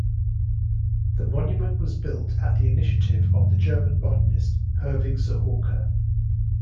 The monument was built at the initiative of the German Botanist, Herwig Zahorka.